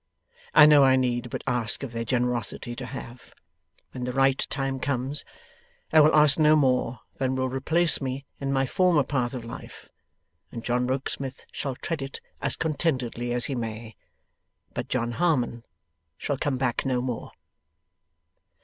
I know I need but ask of their generosity, to have. When the right time comes, I will ask no more than will replace me in my former path of life, and John Rokesmith shall tread it as contentedly as he may. But John Harmon shall come back no more.